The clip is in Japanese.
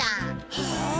へえ。